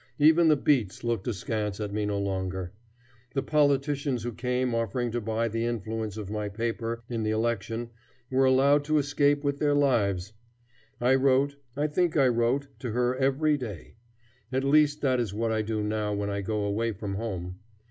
Even the beats looked askance at me no longer. The politicians who came offering to buy the influence of my paper in the election were allowed to escape with their lives. I wrote I think I wrote to her every day. At least that is what I do now when I go away from home.